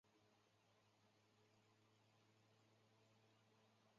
卡特农人口变化图示